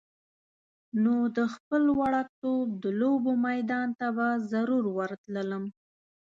نو د خپل وړکتوب د لوبو میدان ته به ضرور ورتللم.